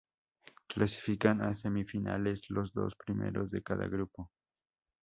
Clasifican a semifinales, los dos primeros de cada grupo.